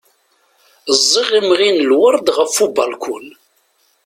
Ẓẓiɣ imɣi n lwerd ɣef ubalkun.